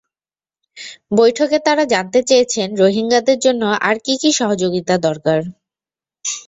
বৈঠকে তাঁরা জানতে চেয়েছেন, রোহিঙ্গাদের জন্য আর কী কী সহযোগিতা দরকার।